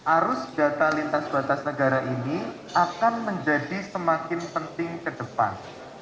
arus data lintas batas negara ini akan menjadi semakin penting ke depan